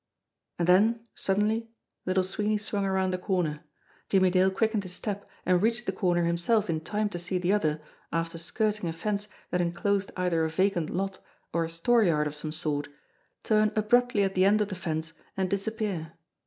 And then suddenly Little Sweeney swung around a corner. Jimmie Dale quickened his step, and reached the corner himself in time to see the other, after skirting a fence that enclosed either a vacant lot or a store yard of some sort, turn abruptly at the end of the fence and disappear.